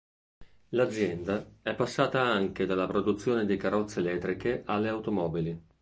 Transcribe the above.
L'azienda è passata anche dalla produzione di carrozze elettriche alle automobili.